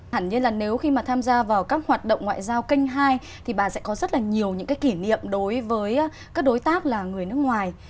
hẳn nhiên là nếu khi mà tham gia vào các hoạt động ngoại giao kênh hai thì bà sẽ có rất là nhiều những cái kỷ niệm đối với các đối tác là người nước ngoài